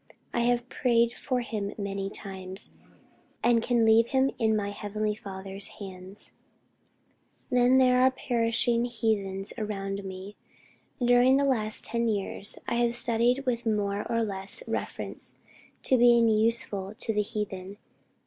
I have prayed for him many times, and can leave him in my Heavenly Father's hands.... Then there are the perishing heathens around me.... During the last ten years, I have studied with more or less reference to being useful to the heathen.